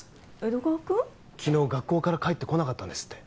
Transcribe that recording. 昨日学校から帰ってこなかったんですって。